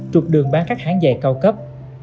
trụt đường bán các hãng giày cao cấp